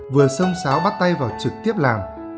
vừa xông xáo bắt tay vào trực tiếp làm